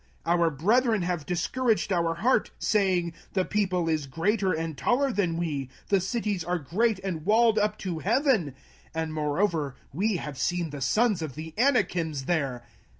our brethren have discouraged our heart, saying, The people is greater and taller than we; the cities are great and walled up to heaven; and moreover we have seen the sons of the Anakims there.